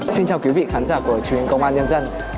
xin chào quý vị khán giả của chuyên công an nhân dân